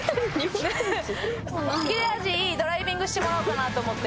切れ味いいドライビングしてもらおうかなと思って。